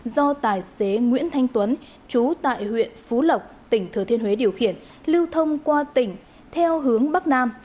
do tài xế nguyễn thanh tuấn chú tại huyện phú lộc tỉnh thừa thiên huế điều khiển lưu thông qua tỉnh theo hướng bắc nam